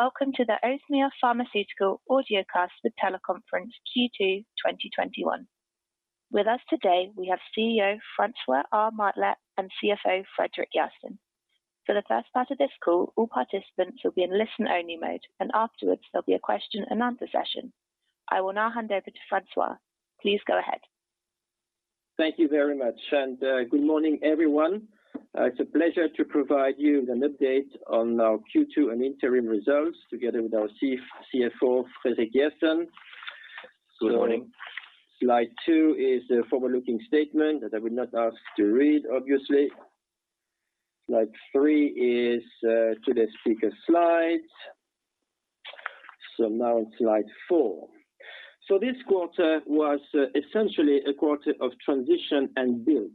Welcome to the Oasmia Pharmaceutical Audiocast, the teleconference Q2 2021. With us today, we have CEO François Martelet and CFO Fredrik Järrsten. For the first part of this call, all participants will be in listen-only mode, and afterwards, there will be a question and answer session. I will now hand over to François. Please go ahead. Thank you very much, good morning, everyone. It's a pleasure to provide you with an update on our Q2 and interim results together with our CFO, Fredrik Järrsten. Good morning. Slide two is the forward-looking statement that I will not ask to read, obviously. Slide three is to the speaker slides. Now on slide four. This quarter was essentially a quarter of transition and build.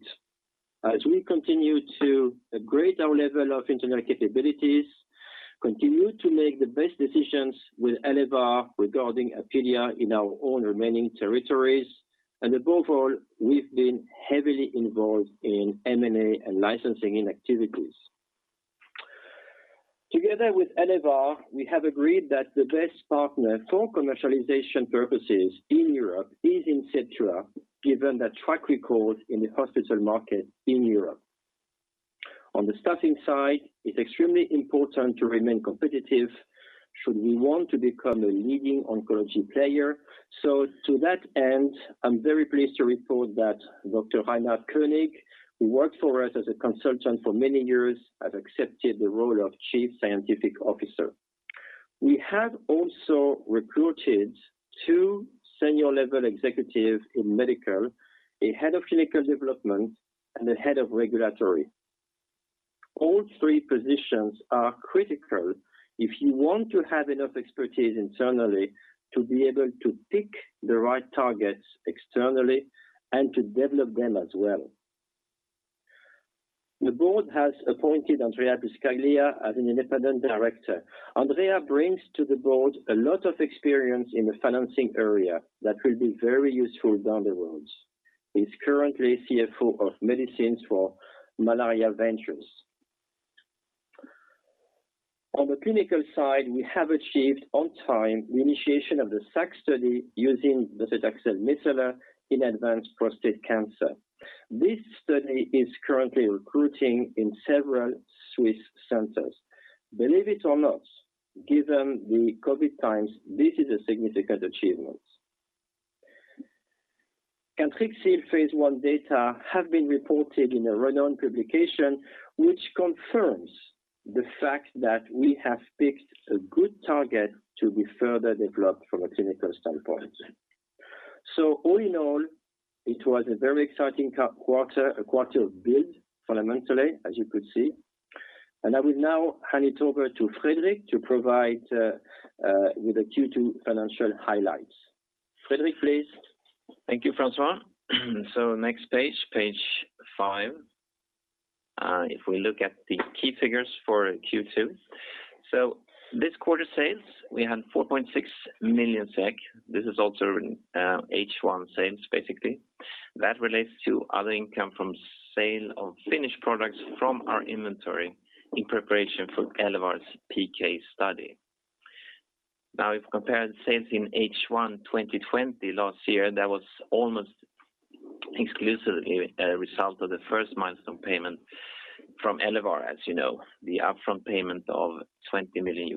As we continue to upgrade our level of internal capabilities, continue to make the best decisions with Elevar regarding Apealea in our own remaining territories, and above all, we've been heavily involved in M&A and licensing-in activities. Together with Elevar, we have agreed that the best partner for commercialization purposes in Europe is Inceptua, given their track record in the hospital market in Europe. On the staffing side, it's extremely important to remain competitive should we want to become a leading oncology player. To that end, I'm very pleased to report that Dr. Reinhard Koenig, who worked for us as a consultant for many years, has accepted the role of Chief Scientific Officer. We have also recruited two senior-level executive in medical, a Head of Clinical Development, and a Head of Regulatory. All three positions are critical if you want to have enough expertise internally to be able to pick the right targets externally and to develop them as well. The Board has appointed Andrea Buscaglia as an Independent Director. Andrea brings to the Board a lot of experience in the financing area that will be very useful down the road. He's currently CFO of Medicines for Malaria Venture. On the clinical side, we have achieved on time the initiation of the SAKK study using docetaxel micellar in advanced prostate cancer. This study is currently recruiting in several Swiss centers. Believe it or not, given the COVID times, this is a significant achievement. Cantrixil phase I data have been reported in a renowned publication, which confirms the fact that we have picked a good target to be further developed from a clinical standpoint. All in all, it was a very exciting quarter, a quarter of build, fundamentally, as you could see. I will now hand it over to Fredrik to provide with the Q2 financial highlights. Fredrik, please. Thank you, François. Next page five. If we look at the key figures for Q2. This quarter sales, we had 4.6 million SEK. This is also in H1 sales, basically. That relates to other income from sale of finished products from our inventory in preparation for Elevar's PK study. If compared sales in H1 2020 last year, that was almost exclusively a result of the first milestone payment from Elevar, as you know. The upfront payment of $20 million.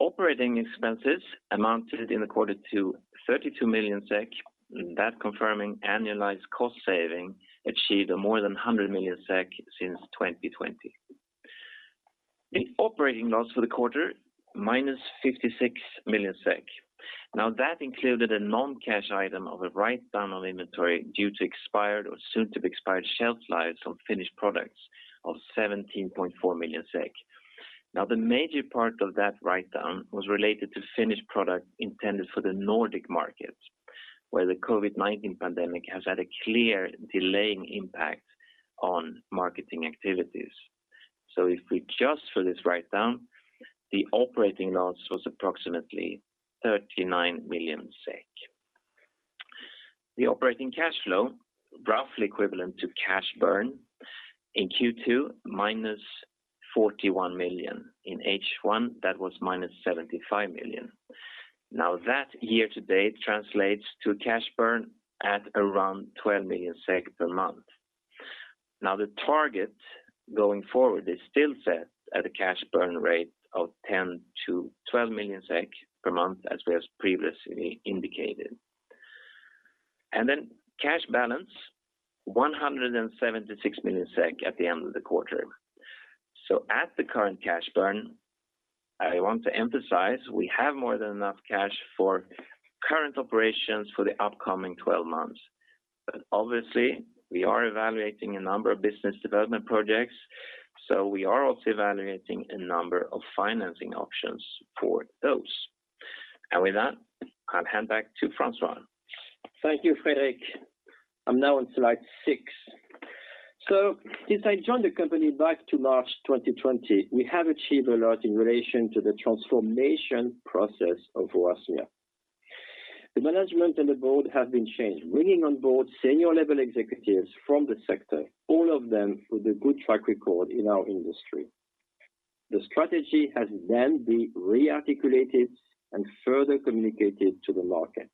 Operating expenses amounted in the quarter to 32 million SEK. That confirming annualized cost saving achieved more than 100 million SEK since 2020. The operating loss for the quarter, -56 million SEK. That included a non-cash item of a write-down on inventory due to expired or soon to be expired shelf lives of finished products of 17.4 million SEK. The major part of that write-down was related to finished product intended for the Nordic market, where the COVID-19 pandemic has had a clear delaying impact on marketing activities. If we adjust for this write-down, the operating loss was approximately 39 million SEK. The operating cash flow, roughly equivalent to cash burn in Q2, -41 million. In H1, that was -75 million. That year to date translates to cash burn at around 12 million SEK per month. The target going forward is still set at a cash burn rate of 10 million-12 million SEK per month, as we have previously indicated. Cash balance, 176 million SEK at the end of the quarter. At the current cash burn, I want to emphasize, we have more than enough cash for current operations for the upcoming 12 months. Obviously, we are evaluating a number of business development projects, so we are also evaluating a number of financing options for those. With that, I'll hand back to François. Thank you, Fredrik. I am now on slide six. Since I joined the company back to March 2020, we have achieved a lot in relation to the transformation process of Oasmia. The management and the Board have been changed, bringing on Board senior-level executives from the sector, all of them with a good track record in our industry. The strategy has been re-articulated and further communicated to the market.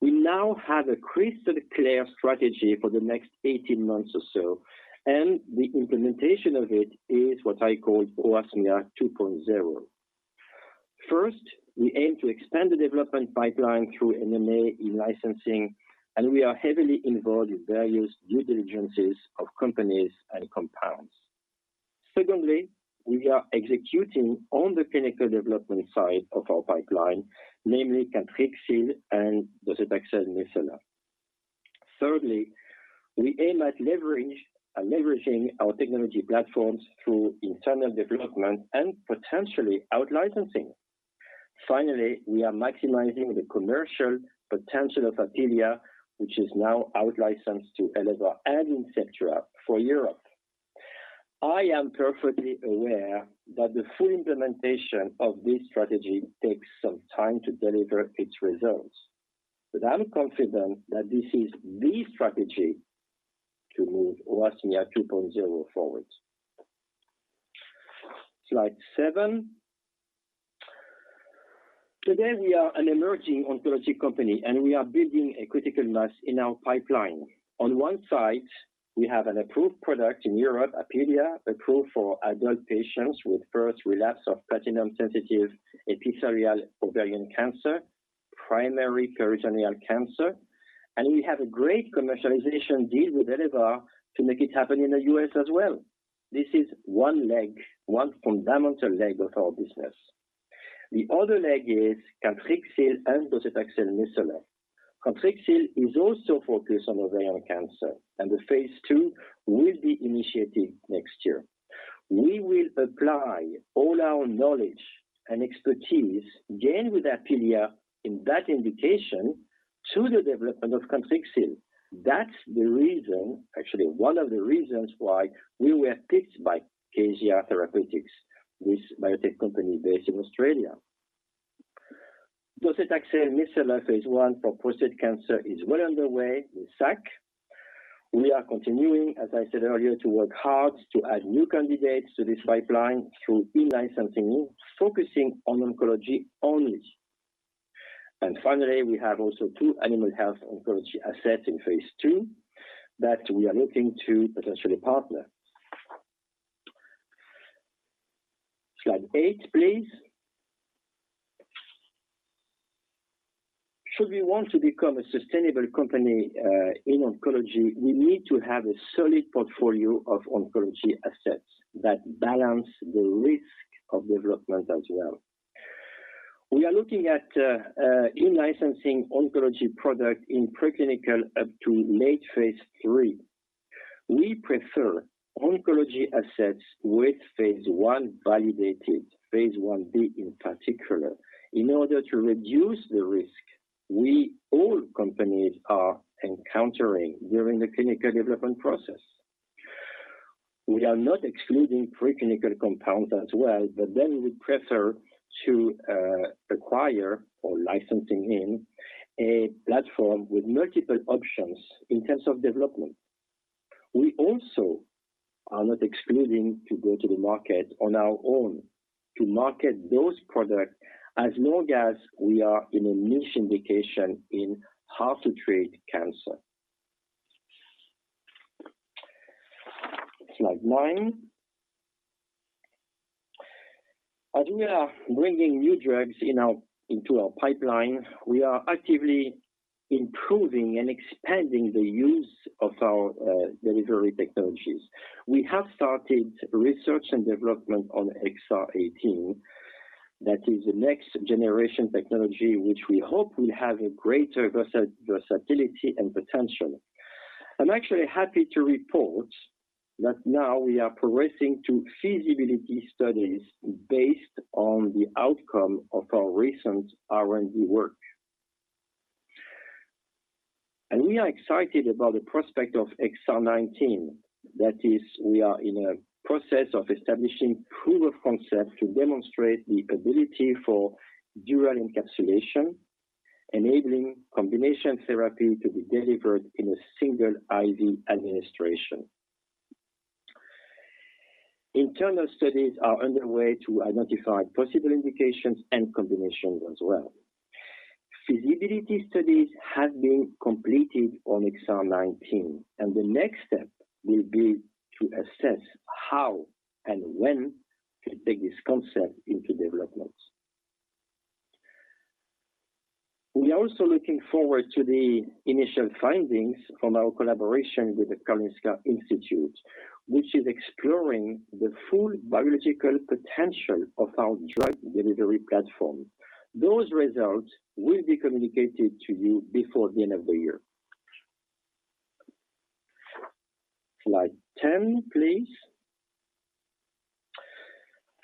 We now have a crystal-clear strategy for the next 18 months or so, and the implementation of it is what I call Oasmia 2.0. First, we aim to extend the development pipeline through M&A in-licensing, and we are heavily involved in various due diligences of companies and compounds. Secondly, we are executing on the clinical development side of our pipeline, namely Cantrixil and docetaxel micellar. Thirdly, we aim at leveraging our technology platforms through internal development and potentially out-licensing. Finally, we are maximizing the commercial potential of Apealea, which is now out-licensed to Elevar and Inceptua for Europe. I am perfectly aware that the full implementation of this strategy takes some time to deliver its results, but I'm confident that this is the strategy to move Oasmia 2.0 forward. Slide seven. Today, we are an emerging oncology company, and we are building a critical mass in our pipeline. On one side, we have an approved product in Europe, Apealea, approved for adult patients with first relapse of platinum-sensitive epithelial ovarian cancer, primary peritoneal cancer. We have a great commercialization deal with Elevar to make it happen in the U.S. as well. This is one fundamental leg of our business. The other leg is Cantrixil and docetaxel micellar. Cantrixil is also focused on ovarian cancer, and the phase II will be initiated next year. We will apply all our knowledge and expertise gained with Apealea in that indication to the development of Cantrixil. That's one of the reasons why we were picked by Kazia Therapeutics, this biotech company based in Australia. Docetaxel micellar phase I for prostate cancer is well underway with SAKK. We are continuing, as I said earlier, to work hard to add new candidates to this pipeline through in-licensing, focusing on oncology only. Finally, we have also two animal health oncology assets in phase II that we are looking to potentially partner. Slide eight, please. Should we want to become a sustainable company in oncology, we need to have a solid portfolio of oncology assets that balance the risk of development as well. We are looking at in-licensing oncology product in preclinical up to late phase III. We prefer oncology assets with phase I validated, phase I-B in particular, in order to reduce the risk we, all companies, are encountering during the clinical development process. We are not excluding preclinical compounds as well, but then we would prefer to acquire or licensing in a platform with multiple options in terms of development. We also are not excluding to go to the market on our own to market those products as long as we are in a niche indication in hard-to-treat cancer. Slide 9. As we are bringing new drugs into our pipeline, we are actively improving and expanding the use of our delivery technologies. We have started research and development on XR-18. That is the next generation technology, which we hope will have a greater versatility and potential. I'm actually happy to report that now we are progressing to feasibility studies based on the outcome of our recent R&D work. We are excited about the prospect of XR-19. That is, we are in a process of establishing proof of concept to demonstrate the ability for dual encapsulation, enabling combination therapy to be delivered in a single IV administration. Internal studies are underway to identify possible indications and combinations as well. Feasibility studies have been completed on XR-19, and the next step will be to assess how and when to take this concept into development. We're also looking forward to the initial findings from our collaboration with the Karolinska Institute, which is exploring the full biological potential of our drug delivery platform. Those results will be communicated to you before the end of the year. Slide 10, please.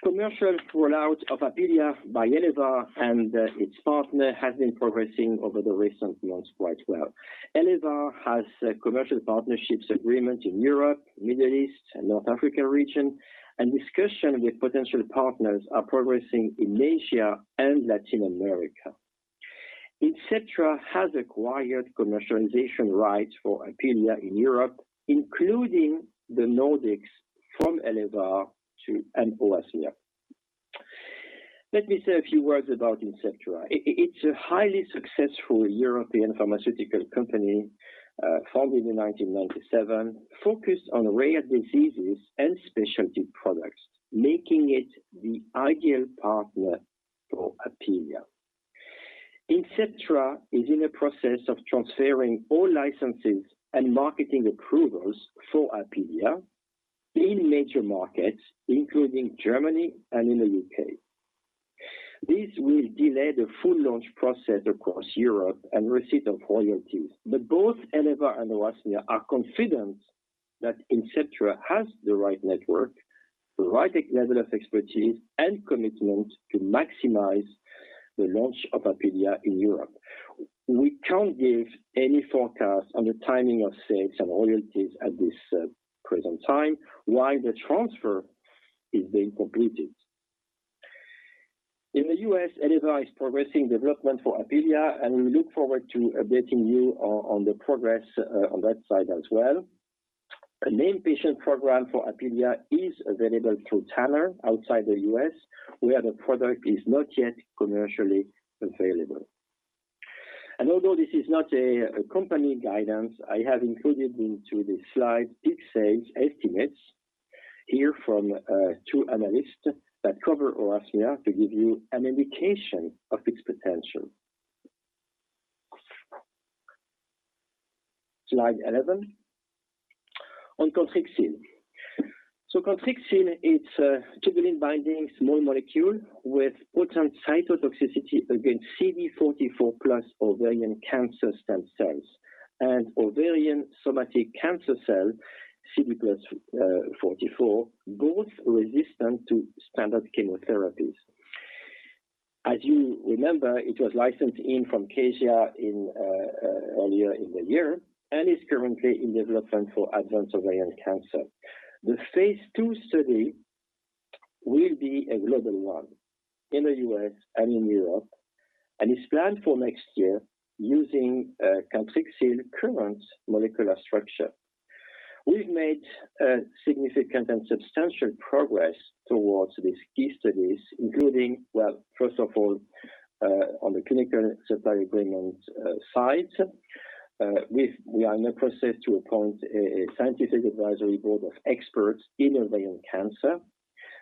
Commercial rollout of Apealea by Elevar and its partner has been progressing over the recent months quite well. Elevar has commercial partnerships agreement in Europe, Middle East, and North Africa region, and discussion with potential partners are progressing in Asia and Latin America. Inceptua has acquired commercialization rights for Apealea in Europe, including the Nordics from Elevar to and Oasmia. Let me say a few words about Inceptua. It's a highly successful European pharmaceutical company, formed in 1997, focused on rare diseases and specialty products, making it the ideal partner for Apealea. Inceptua is in a process of transferring all licenses and marketing approvals for Apealea in major markets, including Germany and in the U.K. This will delay the full launch process across Europe and receipt of royalties. Both Elevar and Oasmia are confident that Inceptua has the right network, the right level of expertise, and commitment to maximize the launch of Apealea in Europe. We can't give any forecast on the timing of sales and royalties at this present time, while the transfer is being completed. In the U.S., Elevar is progressing development for Apealea, and we look forward to updating you on the progress on that side as well. A named patient program for Apealea is available through Tanner Pharma Group outside the U.S., where the product is not yet commercially available. Although this is not a company guidance, I have included into the slide peak sales estimates here from two analysts that cover Oasmia to give you an indication of its potential. Slide 11. On Cantrixil. Cantrixil, it's a tubulin-binding small molecule with potent cytotoxicity against CD44+ ovarian cancer stem cells and ovarian somatic cancer cell, CD44, both resistant to standard chemotherapies. As you remember, it was licensed in from Kazia earlier in the year, and is currently in development for advanced ovarian cancer. The phase II study will be a global one in the U.S. and in Europe, and is planned for next year using Cantrixil current molecular structure. We've made significant and substantial progress towards these key studies, including, first of all, on the clinical supply agreement side. We are in a process to appoint a scientific advisory board of experts in ovarian cancer.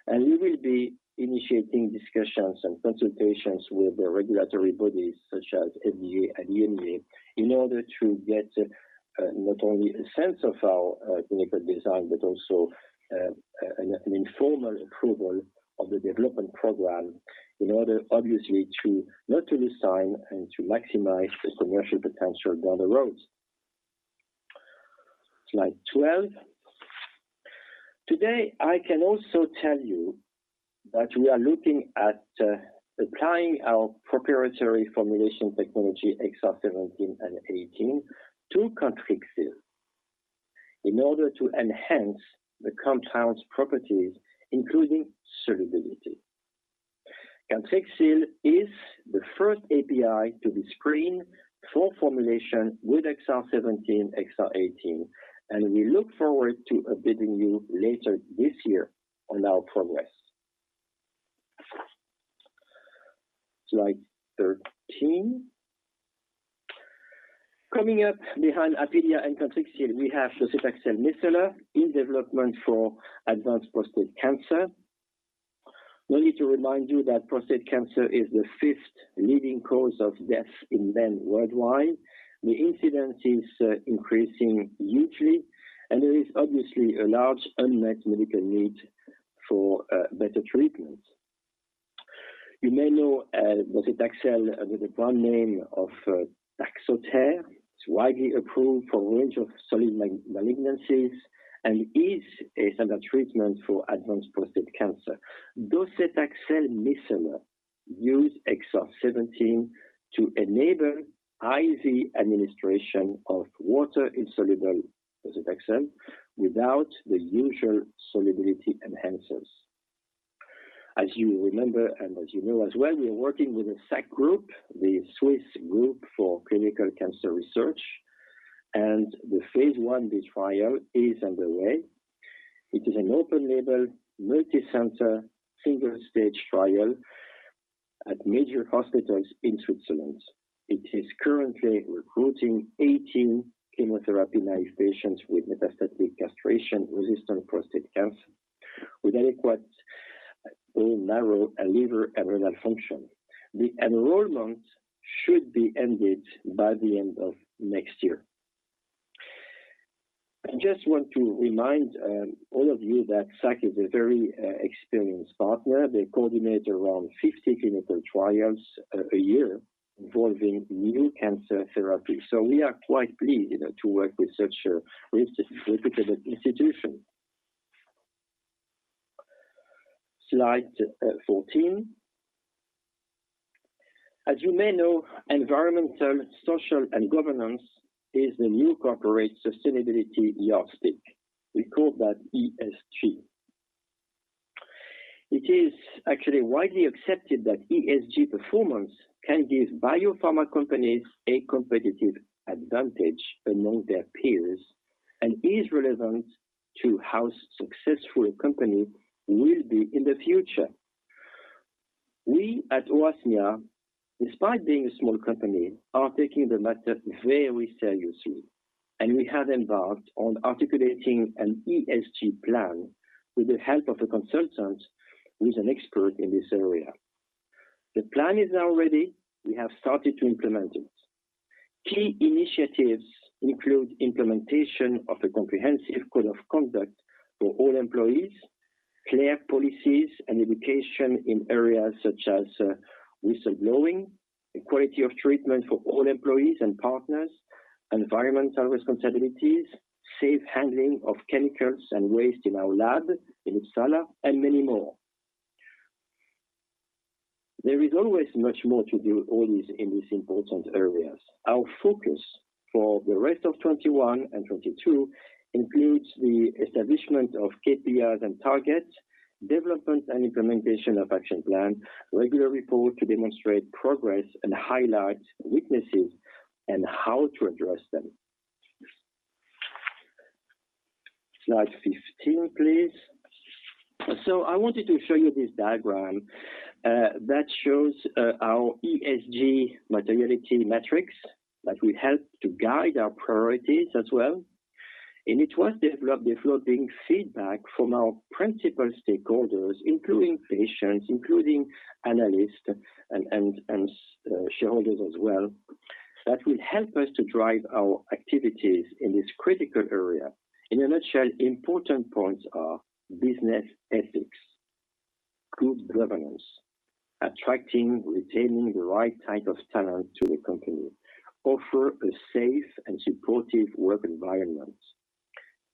We will be initiating discussions and consultations with the regulatory bodies such as FDA and EMA in order to get not only a sense of our clinical design, but also an informal approval of the development program in order, obviously to not only design and to maximize the commercial potential down the road. Slide 12. Today, I can also tell you that we are looking at applying our proprietary formulation technology, XR-17 and XR-18, to Cantrixil in order to enhance the compound's properties, including solubility. Cantrixil is the first API to be screened for formulation with XR-17, XR-18. We look forward to updating you later this year on our progress. Slide 13. Coming up behind Apealea and Cantrixil, we have docetaxel micellar in development for advanced prostate cancer. No need to remind you that prostate cancer is the fifth leading cause of death in men worldwide. The incidence is increasing hugely, and there is obviously a large unmet medical need for better treatment. You may know docetaxel with the brand name of TAXOTERE. It's widely approved for a range of solid malignancies and is a standard treatment for advanced prostate cancer. Docetaxel micellar use XR-17 to enable IV administration of water-insoluble docetaxel without the usual solubility enhancers. As you remember, and as you know as well, we are working with the SAKK group, the Swiss Group for Clinical Cancer Research, and the phase I trial is underway. It is an open-label, multicenter, single-stage trial at major hospitals in Switzerland. It is currently recruiting 18 chemotherapy-naïve patients with metastatic castration-resistant prostate cancer with adequate bone, marrow, liver, and renal function. The enrollment should be ended by the end of next year. I just want to remind all of you that SAKK is a very experienced partner. They coordinate around 50 clinical trials a year involving new cancer therapy. We are quite pleased to work with such a reputable institution. Slide 14. As you may know, environmental, social, and governance is the new corporate sustainability yardstick. We call that ESG. It is actually widely accepted that ESG performance can give biopharma companies a competitive advantage among their peers and is relevant to how successful a company will be in the future. We at Oasmia, despite being a small company, are taking the matter very seriously, and we have embarked on articulating an ESG plan with the help of a consultant who is an expert in this area. The plan is now ready. We have started to implement it. Key initiatives include implementation of a comprehensive code of conduct for all employees, clear policies and education in areas such as whistleblowing, equality of treatment for all employees and partners, environmental responsibilities, safe handling of chemicals and waste in our lab in Uppsala, and many more. There is always much more to do in these important areas. Our focus for the rest of 2021 and 2022 includes the establishment of KPIs and targets, development and implementation of action plan, regular report to demonstrate progress and highlight weaknesses and how to address them. Slide 15, please. I wanted to show you this diagram that shows our ESG materiality metrics that will help to guide our priorities as well. It was developed including feedback from our principal stakeholders, including patients, including analysts and shareholders as well. That will help us to drive our activities in this critical area. In a nutshell, important points are business ethics, good governance, attracting, retaining the right type of talent to the company, offer a safe and supportive work environment,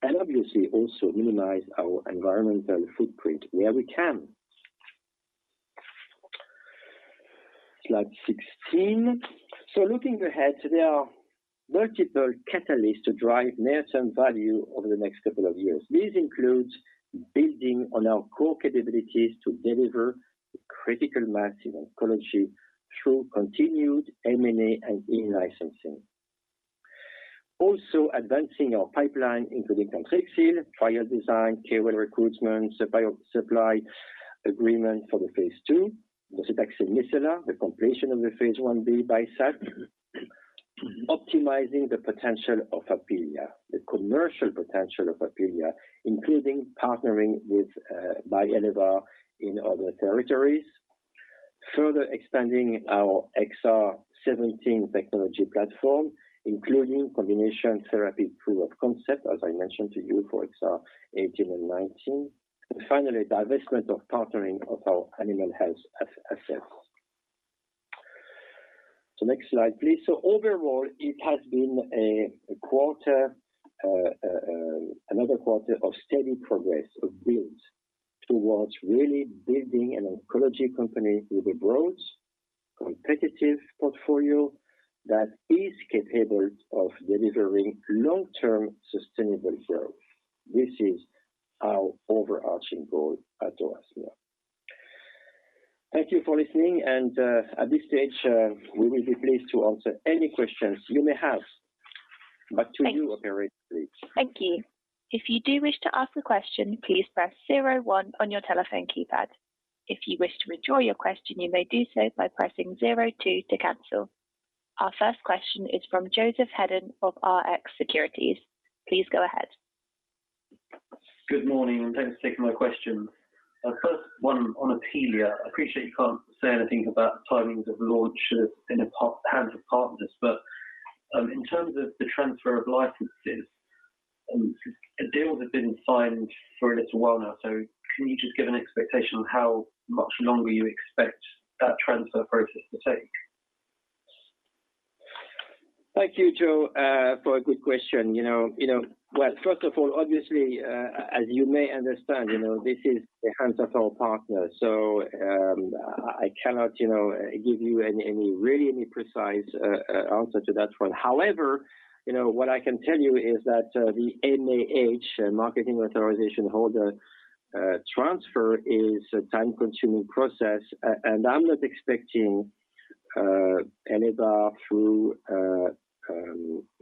and obviously also minimize our environmental footprint where we can. Slide 16. Looking ahead, there are multiple catalysts to drive near-term value over the next couple of years. These includes building on our core capabilities to deliver the critical mass in oncology through continued M&A and in-licensing. Advancing our pipeline, including Cantrixil, trial design, key role recruitments, supply agreement for the phase II. Docetaxel micellar, the completion of the phase I-B by SAKK. Optimizing the potential of Apealea, the commercial potential of Apealea, including partnering with Elevar in other territories. Further expanding our XR-17 technology platform, including combination therapy proof of concept, as I mentioned to you, for XR-18 and XR-19. Finally, divestment of partnering of our animal health assets. Next slide, please. Overall, it has been another quarter of steady progress, of build towards really building an oncology company with a broad, competitive portfolio that is capable of delivering long-term sustainable growth. This is our overarching goal at Oasmia. Thank you for listening, and at this stage, we will be pleased to answer any questions you may have. Back to you, Operator, please. Thank you. Our first question is from Joseph Hedden of Rx Securities. Please go ahead. Good morning. Thanks for taking my question. First one on Apealea. I appreciate you can't say anything about timings of launch in the hands of partners, but in terms of the transfer of licenses, a deal that's been signed for a little while now. Can you just give an expectation on how much longer you expect that transfer process to take? Thank you, Joe, for a good question. Well, first of all, obviously, as you may understand, this is in the hands of our partner. I cannot give you really any precise answer to that one. However, what I can tell you is that, the MAH, Marketing Authorization Holder, transfer is a time-consuming process. I'm not expecting, Elevar through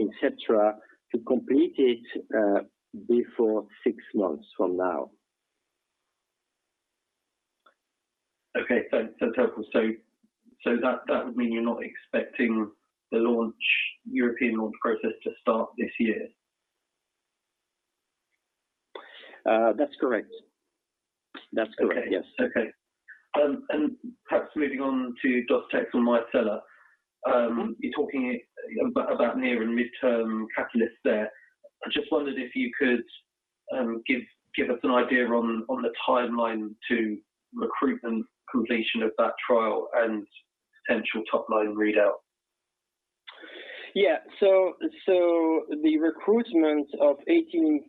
Inceptua to complete it before six months from now. Okay. That would mean you're not expecting the European launch process to start this year? That's correct, yes. Okay. perhaps moving on to docetaxel micellar. You're talking about near and mid-term catalysts there. I just wondered if you could give us an idea on the timeline to recruitment completion of that trial and potential top-line readout? Yeah. The recruitment of 18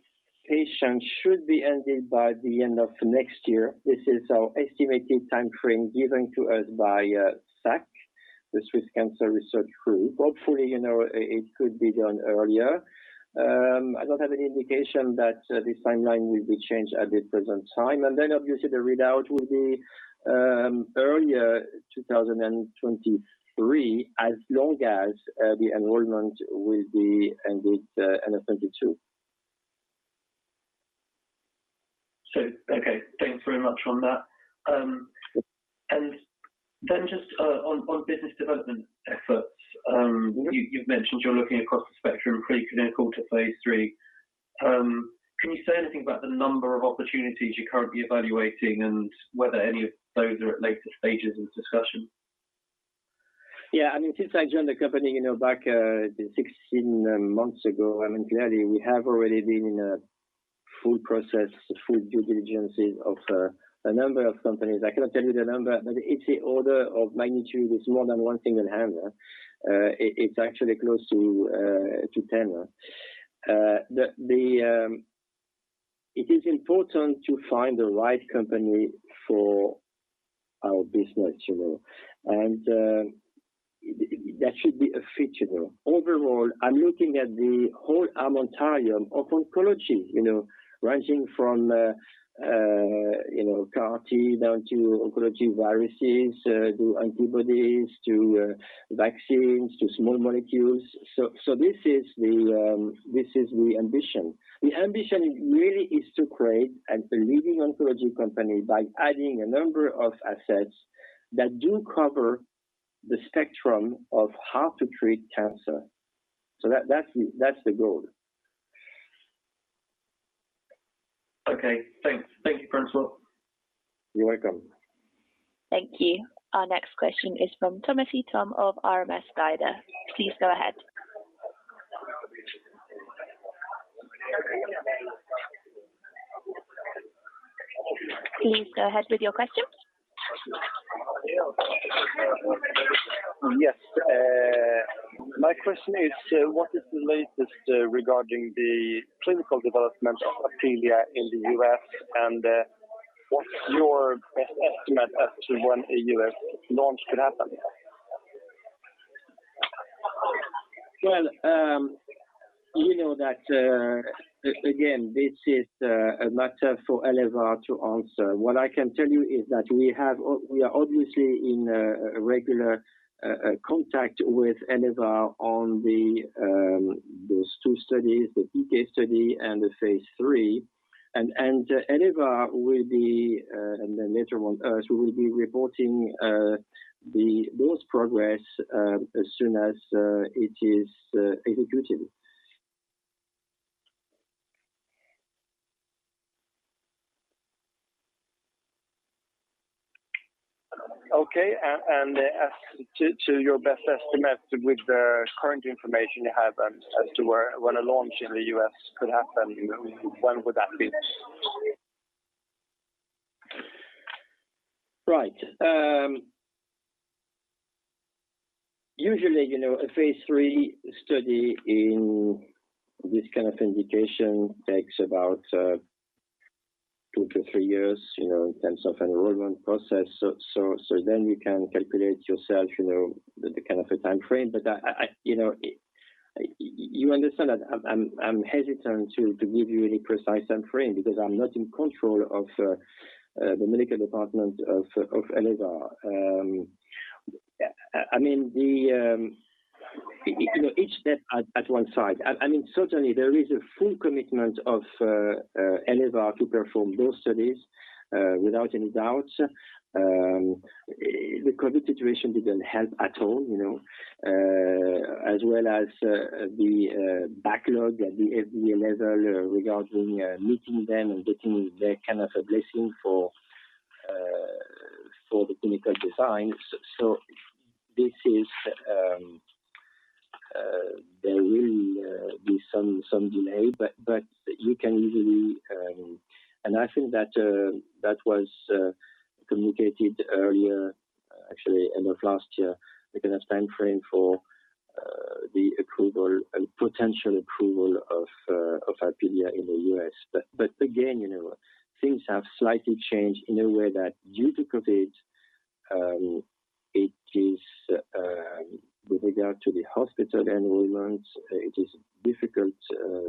patients should be ended by the end of next year. This is our estimated timeframe given to us by SAKK. The Swiss Cancer Research Group. Hopefully, it could be done earlier. I don't have any indication that this timeline will be changed at this present time. Obviously the readout will be earlier 2023, as long as the enrollment will be ended end of 2022. Okay. Thanks very much on that. Then just on business development efforts. You've mentioned you're looking across the spectrum, pre-clinical to phase III. Can you say anything about the number of opportunities you're currently evaluating and whether any of those are at later stages in discussion? Since I joined the company back 16 months ago, clearly we have already been in a full process, full due diligences of a number of companies. I cannot tell you the number, but it's the order of magnitude. It's more than one thing on hand. It's actually close to 10. It is important to find the right company for our business. That should be a feature. Overall, I'm looking at the whole armamentarium of oncology, ranging from CAR T down to oncology viruses, to antibodies, to vaccines, to small molecules. This is the ambition. The ambition really is to create a leading oncology company by adding a number of assets that do cover the spectrum of how to treat cancer. That's the goal. Okay. Thanks. Thank you, François. You're welcome. Thank you. Our next question is from [Thomasy Tom of RMS Guider]. Please go ahead with your question. Yes. My question is, what is the latest regarding the clinical development of Apealea in the U.S., and what's your best estimate as to when a U.S. launch could happen? Well, you know that, again, this is a matter for Elevar to answer. What I can tell you is that we are obviously in regular contact with Elevar on those two studies. The PK study and the phase III. Elevar will be, and then later on us, we will be reporting those progress as soon as it is executed. Okay. As to your best estimate with the current information you have as to when a launch in the U.S. could happen, when would that be? Right. Usually, a phase III study in this kind of indication takes about two to three years, in terms of enrollment process. You can calculate yourself the kind of a timeframe. You understand that I'm hesitant to give you any precise timeframe, because I'm not in control of the medical department of Elevar. Each step at one side. Certainly, there is a full commitment of Elevar to perform those studies, without any doubt. The COVID situation didn't help at all, as well as the backlog at the FDA level regarding meeting them and getting their kind of a blessing for the clinical design. There will be some delay. I think that was communicated earlier, actually end of last year, regarding a timeframe for the approval and potential approval of Apealea in the U.S. Again, things have slightly changed in a way that due to COVID, with regard to the hospital enrollments, it is a difficult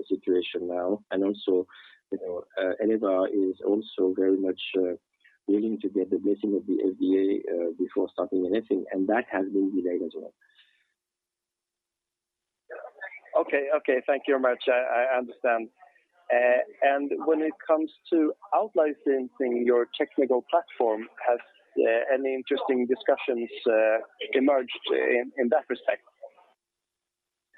situation now. Also, Elevar is also very much willing to get the blessing of the FDA before starting anything. That has been delayed as well. Okay. Thank you very much. I understand. When it comes to out-licensing your technical platform, have any interesting discussions emerged in that respect?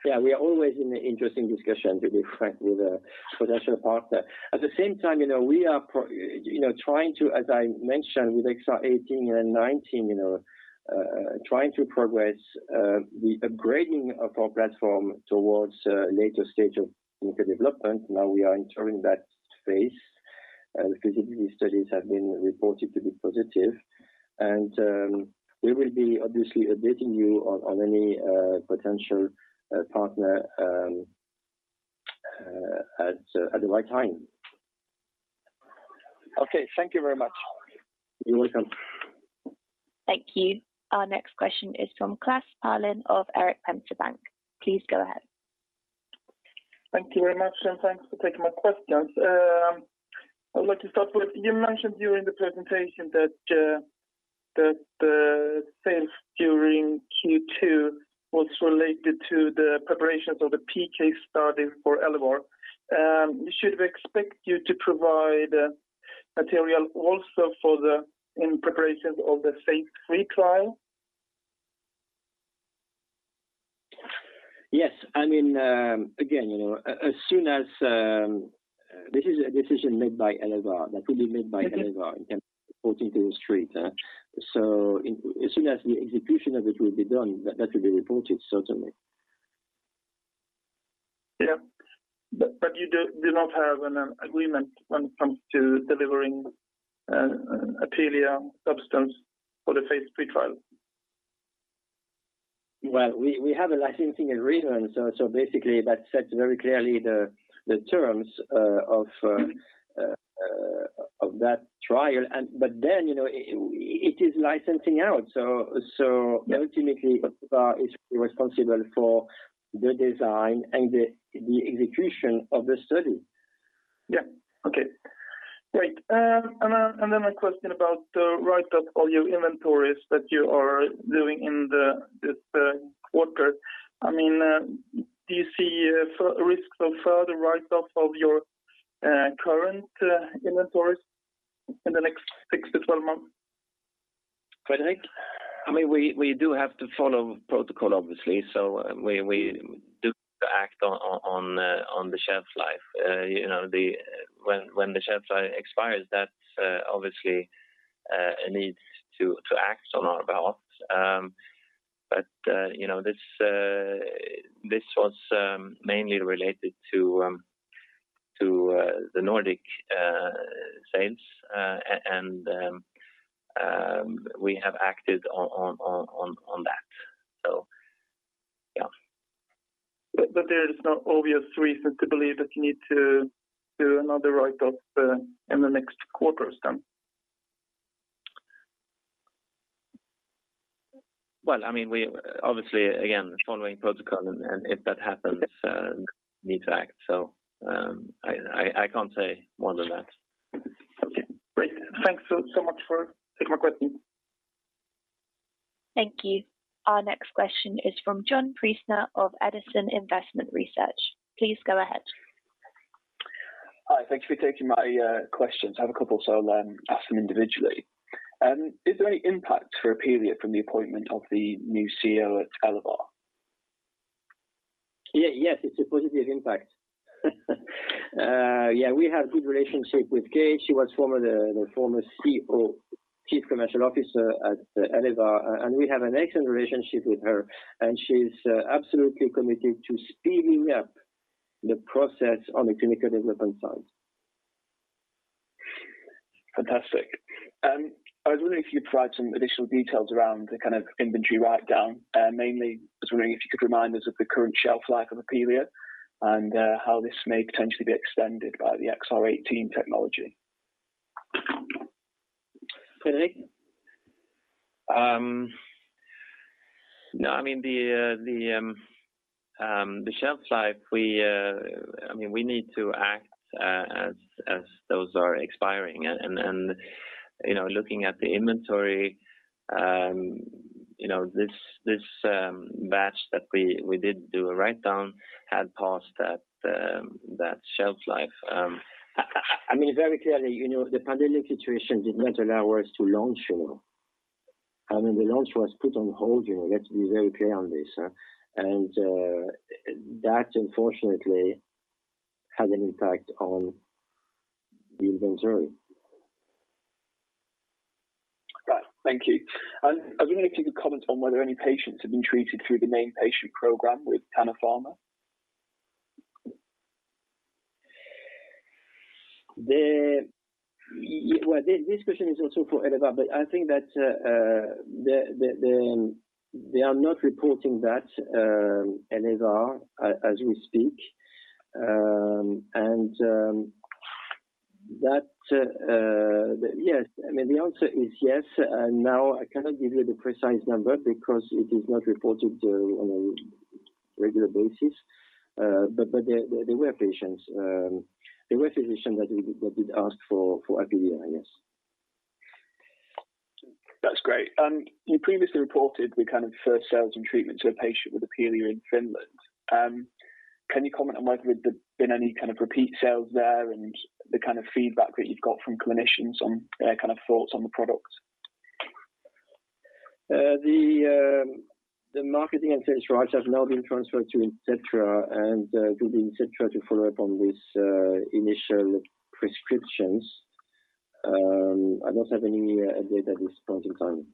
Yeah. We are always in interesting discussion, to be frank, with a potential partner. At the same time, we are trying to, as I mentioned with XR-18 and XR-19, trying to progress the upgrading of our platform towards a later stage of clinical development. Now we are entering that phase. The feasibility studies have been reported to be positive. We will be obviously updating you on any potential partner at the right time. Okay, thank you very much. You're welcome. Thank you. Our next question is from Klas Palin of Erik Penser Bank. Please go ahead. Thank you very much, and thanks for taking my questions. I would like to start with, you mentioned during the presentation that the sales during Q2 was related to the preparations of the PK study for Elevar. Should we expect you to provide material also in preparation of the phase III trial? Yes. Again, this is a decision made by Elevar, that will be made by Elevar in terms of reporting to the street. As soon as the execution of it will be done, that will be reported certainly. Yeah. You do not have an agreement when it comes to delivering Apealea substance for the phase III trial? Well, we have a licensing agreement. Basically, that sets very clearly the terms of that trial. It is licensing out. Ultimately, Elevar is responsible for the design and the execution of the study. Yeah. Okay, great. Then a question about the write-off of your inventories that you are doing in this quarter. Do you see risks of further write-off of your current inventories in the next six to 12 months? Fredrik? We do have to follow protocol, obviously. We do act on the shelf life. When the shelf life expires, that obviously needs to act on our behalf. This was mainly related to the Nordic sales, and we have acted on that. Yeah. There is no obvious reason to believe that you need to do another write-off in the next quarter or so? Well, obviously, again, following protocol, and if that happens, need to act. I can't say more than that. Okay, great. Thanks so much for taking my questions. Thank you. Our next question is from John Priestner of Edison Investment Research. Please go ahead. Hi. Thank you for taking my questions. I have a couple, so I'll ask them individually. Is there any impact for Apealea from the appointment of the new CEO at Elevar? Yes, it's a positive impact. Yeah, we have good relationship with Kate. She was former CEO, Chief Commercial Officer at Elevar, and we have an excellent relationship with her, and she's absolutely committed to speeding up the process on the clinical development side. Fantastic. I was wondering if you'd provide some additional details around the kind of inventory write-down. Mainly, I was wondering if you could remind us of the current shelf life of Apealea and how this may potentially be extended by the XR-18 technology? Fredrik? No, the shelf life, we need to act as those are expiring. Looking at the inventory, this batch that we did do a write-down had passed that shelf life. Very clearly, the pandemic situation did not allow us to launch. The launch was put on hold. Let's be very clear on this. That unfortunately had an impact on the inventory. Got it. Thank you. I was wondering if you could comment on whether any patients have been treated through the named patient program with Tanner Pharma? This question is also for Elevar, but I think that they are not reporting that, Elevar, as we speak. The answer is yes. Now, I cannot give you the precise number because it is not reported on a regular basis. There were physicians that did ask for Apealea, yes. That's great. You previously reported the kind of first sales and treatment to a patient with Apealea in Finland. Can you comment on whether there've been any kind of repeat sales there and the kind of feedback that you've got from clinicians on their kind of thoughts on the product? The marketing and sales rights have now been transferred to Inceptua and it will be Inceptua to follow up on these initial prescriptions. I don't have any data at this point in time.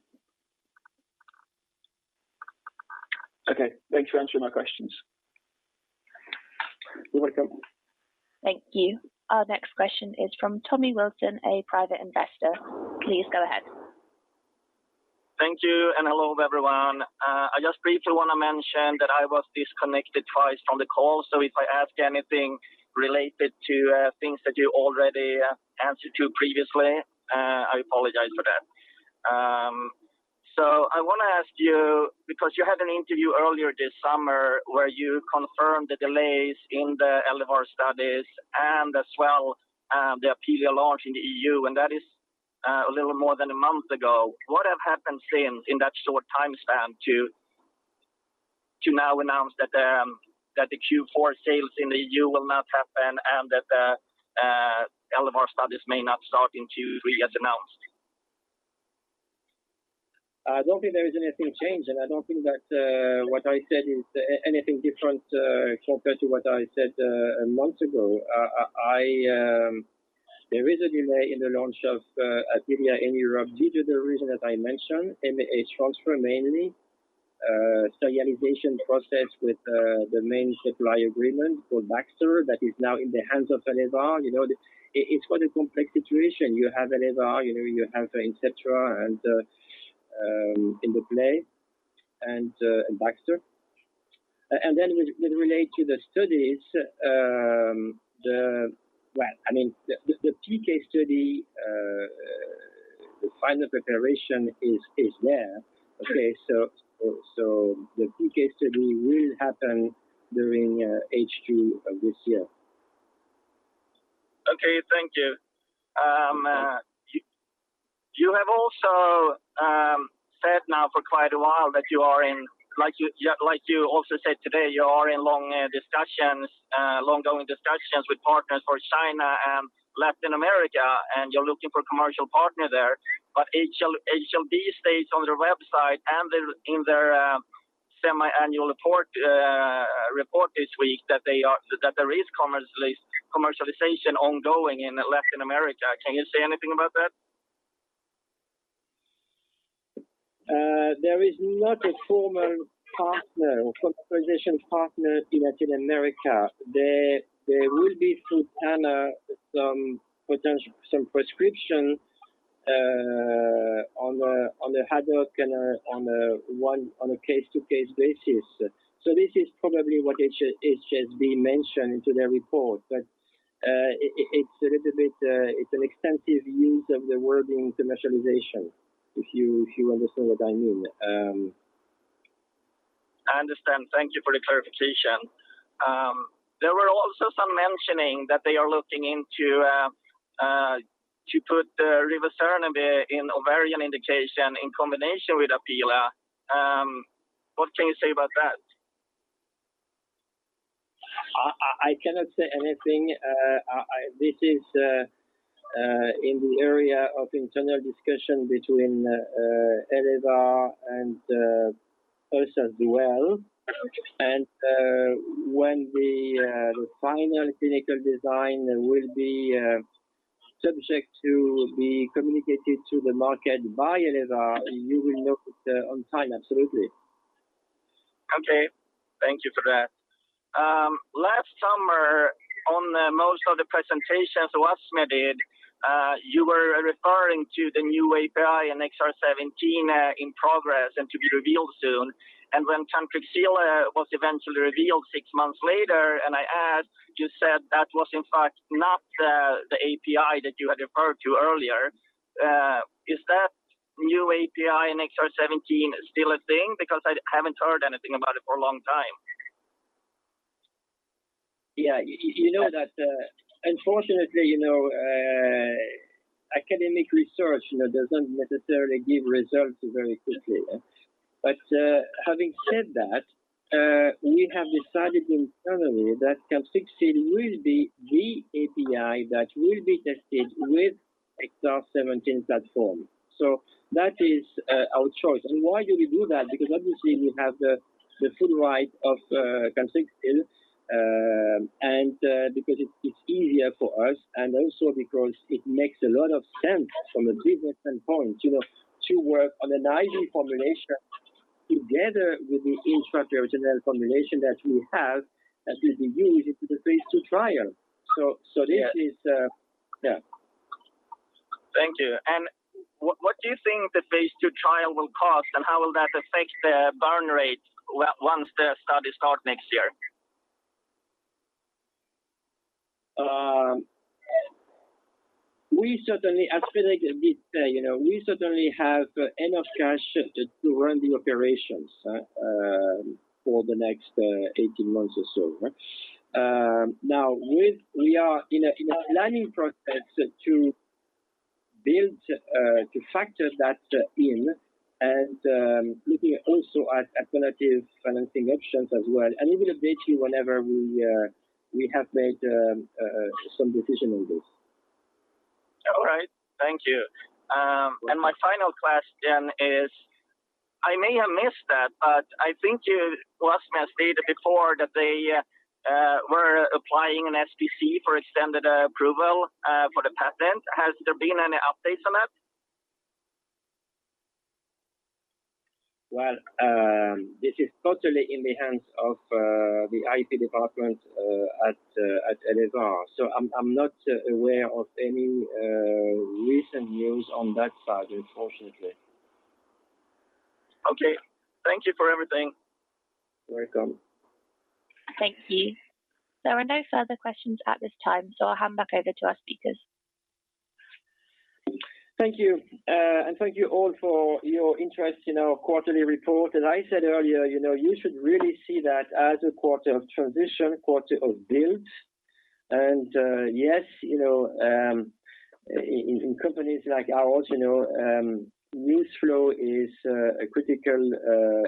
Okay. Thank you for answering my questions. You're welcome. Thank you. Our next question is from [Tommy Wilson], a Private Investor. Please go ahead. Thank you. Hello everyone. I just briefly want to mention that I was disconnected twice from the call. If I ask anything related to things that you already answered previously, I apologize for that. I want to ask you, because you had an interview earlier this summer where you confirmed the delays in the Elevar studies and as well, the Apealea launch in the EU, and that is a little more than a month ago. What has happened since in that short time span to now announce that the Q4 sales in the EU will not happen and that the Elevar studies may not start in Q3 as announced? I don't think there is anything changed, and I don't think that what I said is anything different compared to what I said a month ago. There is a delay in the launch of Apealea in Europe due to the reason that I mentioned, MAH transfer mainly, serialization process with the main supply agreement for Baxter that is now in the hands of Elevar. It's quite a complex situation. You have Elevar, you have Inceptua in the play, and Baxter. With related to the studies, well, the PK study, the final preparation is there. Okay, the PK study will happen during H2 of this year. Okay. Thank you. You have also said now for quite a while that you are in, like you also said today, you are in long ongoing discussions with partners for China and Latin America, and you're looking for commercial partner there. HLB states on their website and in their semi-annual report this week that there is commercialization ongoing in Latin America. Can you say anything about that? There is not a formal partner or commercialization partner in Latin America. There will be through Tanner, some prescription on the ad hoc and on a case-to-case basis. This is probably what HLB mentioned into their report. It's an extensive use of the word internationalization, if you understand what I mean. I understand. Thank you for the clarification. There were also some mentioning that they are looking into to put the rivaroxaban in ovarian indication in combination with Apealea. What can you say about that? I cannot say anything. This is in the area of internal discussion between Elevar and us as well. When the final clinical design will be subject to be communicated to the market via Elevar, you will know it on time, absolutely. Okay. Thank you for that. Last summer, on most of the presentations Oasmia did, you were referring to the new API in XR-17 in progress and to be revealed soon. When Cantrixil was eventually revealed six months later, and I asked, you said that was in fact not the API that you had referred to earlier. Is that new API in XR-17 still a thing? I haven't heard anything about it for a long time. Yeah. You know that unfortunately, academic research doesn't necessarily give results very quickly. Having said that, we have decided internally that Cantrixil will be the API that will be tested with XR-17 platform. That is our choice. Why do we do that? Because obviously we have the full right of Cantrixil, and because it's easier for us and also because it makes a lot of sense from a business standpoint to work on an IV combination together with the intraperitoneal combination that we have, that will be used in the phase II trial. Thank you. What do you think the phase II trial will cost, and how will that affect the burn rate once the study start next year? We certainly, as Fredrik did say, we certainly have enough cash to run the operations for the next 18 months or so. We are in a planning process to factor that in and looking also at alternative financing options as well. We will update you whenever we have made some decision on this. All right. Thank you. My final question is, I may have missed that, but I think you last may have stated before that they were applying an SPC for extended approval for the patent. Has there been any updates on that? Well, this is totally in the hands of the IP department at Elevar. I'm not aware of any recent news on that side, unfortunately. Okay. Thank you for everything. Welcome. Thank you. There are no further questions at this time, so I'll hand back over to our speakers. Thank you. Thank you all for your interest in our quarterly report. As I said earlier, you should really see that as a quarter of transition, quarter of build. Yes, in companies like ours, news flow is a critical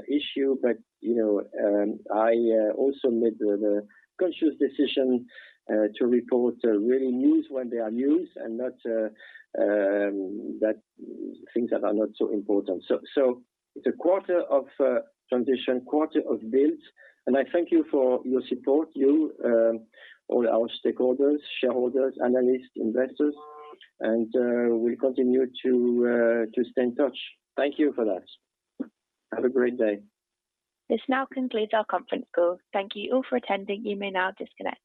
issue. I also made the conscious decision to report really news when they are news and not things that are not so important. It's a quarter of transition, quarter of build, and I thank you for your support, you, all our stakeholders, shareholders, analysts, investors, and we continue to stay in touch. Thank you for that. Have a great day. This now concludes our conference call. Thank you all for attending. You may now disconnect.